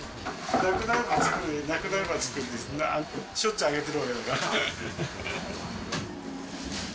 なくなればつける、なくなればつける、しょっちゅう揚げてるわけだから。